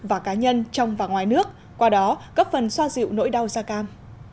và cá nhân trong và ngoài nước qua đó góp phần xoa dịu nỗi đau da cam